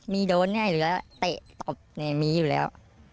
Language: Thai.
มีโดนง่ายหรือว่าเตะตบมีอยู่แล้ว